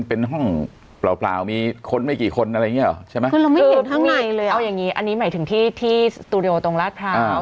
เอาอย่างงี้อันนี้หมายถึงที่ตูดิโอตรงราชพลาบ